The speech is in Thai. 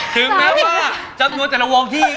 ถึงแม้ว่าจำนวนแต่ละวงที่